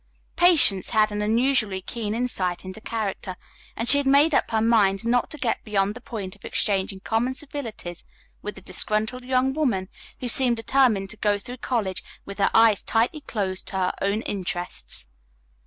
Patience had an unusually keen insight into character, and she had made up her mind not to get beyond the point of exchanging common civilities with the disgruntled young woman who seemed determined to go through college with her eyes tightly closed to her own interests.